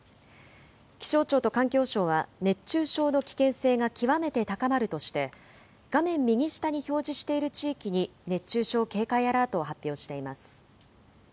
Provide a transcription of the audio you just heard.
気象庁と環境省は、熱中症の危険性が極めて高まるとして、画面右下に表示している地域に、熱中症警戒アラートを発表しています。